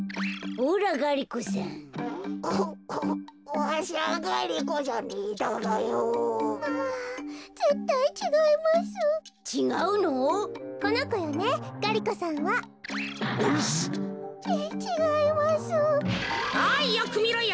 おいよくみろよ。